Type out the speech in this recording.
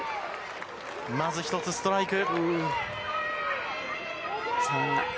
まず１つ、ストライク。